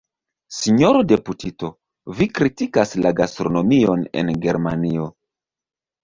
Sinjoro deputito, vi kritikas la gastronomion en Germanio.